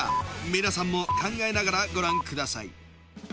皆さんも考えながらご覧ください